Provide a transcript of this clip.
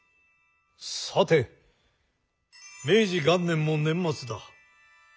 さて明治元年も年末だ。